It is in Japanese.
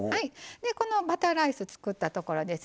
このバターライス作ったところですね。